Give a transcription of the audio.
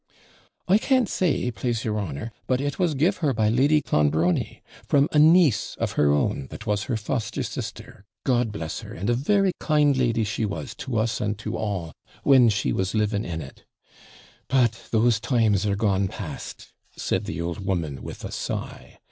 'I can't say, plase your honour, but it was give her by Lady Clonbrony, from a niece of her own that was her foster sister, God bless her! and a very kind lady she was to us and to all when she was living in it; but those times are gone past,' said the old woman, with a sigh.